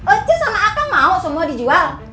ece sama akang mau semua dijual